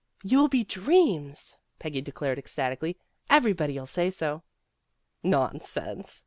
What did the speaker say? "You'll be dreams, '' Peggy declared ecstatically. Every body '11 say so." "Nonsense!"